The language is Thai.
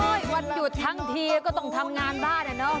วันหยุดทั้งทีก็ต้องทำงานบ้านอะเนาะ